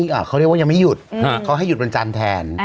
เขาเรียกว่ายังไม่หยุดเขาให้หยุดวันจันทร์แทน